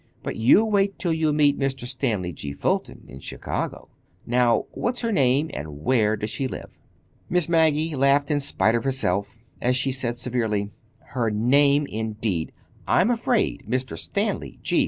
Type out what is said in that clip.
But you wait till you meet Mr. Stanley G. Fulton in Chicago! Now, what's her name, and where does she live?" Miss Maggie laughed in spite of herself, as she said severely: "Her name, indeed! I'm afraid Mr. Stanley G.